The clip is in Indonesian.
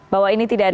bahwa ini tidak ada